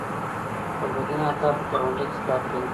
ګلبدین اکا په کرونده کی کار کوي